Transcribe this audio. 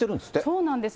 そうなんです。